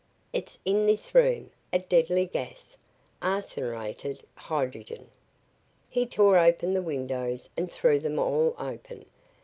"It's in this room a deadly gas arseniuretted hydrogen." He tore open the windows and threw them all open.